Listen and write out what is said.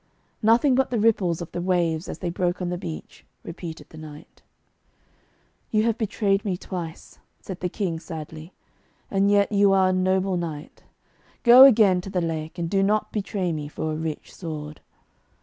'Nothing but the ripples of the waves as they broke on the beach,' repeated the knight. 'You have betrayed me twice,' said the King sadly, 'and yet you are a noble knight! Go again to the lake, and do not betray me for a rich sword.'